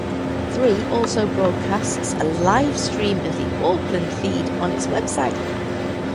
Three also broadcasts a livestream of the Auckland feed on its website.